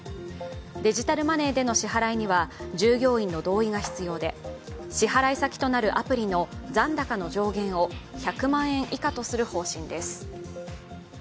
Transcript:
デジタルマネーでの支払いには従業員の同意が必要で支払先となるアプリの残高の上限を１００万円以下とする方針です。